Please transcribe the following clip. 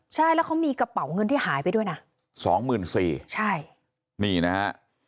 ใช่แล้วเขามีกระเป๋าเงินที่หายไปด้วยนะสองหมื่นสี่ใช่นี่นะฮะ